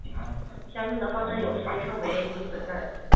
相应的方阵有时被称为余子阵。